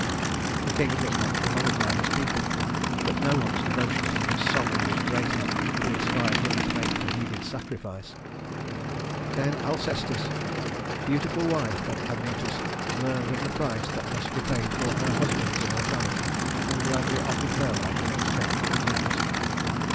The king was much beloved by his people; but no one's devotion to his sovereign was great enough to inspire him to make the needed sacrifice. Then Alcestis, the beautiful wife of Admetus, learned of the price that must be paid for her husband's immortality and gladly offered her life in exchange for the king's.